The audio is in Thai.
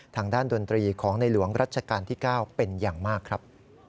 ทางด้านดนตรีของในหลวงรัชกาลที่๙เป็นอย่างมากครับ